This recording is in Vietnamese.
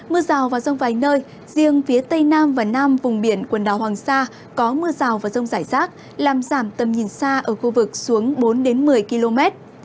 mưa rào và rông vài nơi riêng phía tây nam và nam vùng biển quần đảo hoàng sa có mưa rào và rông rải rác làm giảm tầm nhìn xa ở khu vực xuống bốn một mươi km